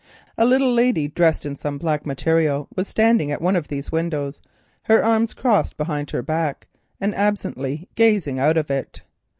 A little lady dressed in some black material was standing at one of these windows, her arms crossed behind her back, and absently gazing out of it.